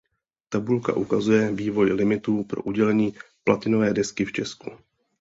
Tabulka ukazuje vývoj limitů pro udělení platinové desky v Česku.